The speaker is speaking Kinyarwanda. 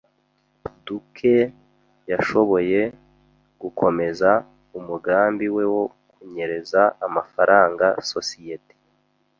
Duke yashoboye gukomeza umugambi we wo kunyereza amafaranga sosiyete